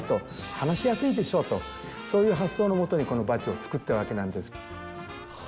話しやすいでしょうとそういう発想のもとにこのバッジを作ったわけなんです。